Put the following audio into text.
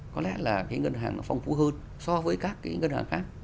có lẽ là cái ngân hàng nó phong phú hơn so với các cái ngân hàng khác